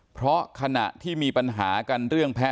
เพราะขณะที่มีปัญหากันเรื่องแพ้